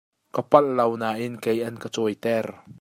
Ka palh lo nain lei an ka cawi ter.